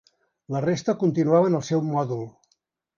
La resta continuaven al seu mòdul.